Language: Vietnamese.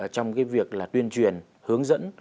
trong cái việc là tuyên truyền hướng dẫn